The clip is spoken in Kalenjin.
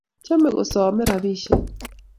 Chome kusome rubishek